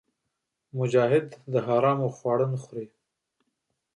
مجاهد د حرامو خواړه نه خوري.